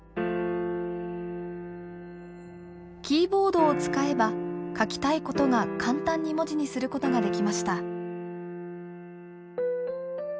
キーボードを使えば書きたいことが簡単に文字にすることができました。